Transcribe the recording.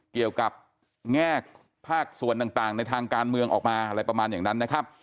เกี่ยวกับแยกภาคส่วนต่างในทางการเมืองออกมาอะไรประมาณอย่างนั้นนะครับ